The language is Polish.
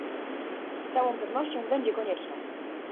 Z całą pewnością będzie konieczna